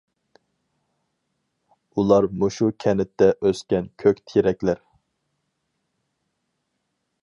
ئۇلار مۇشۇ كەنتتە ئۆسكەن كۆك تېرەكلەر.